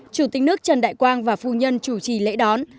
chủ tịch nước trần đại quang và phu nhân chủ trì lễ đón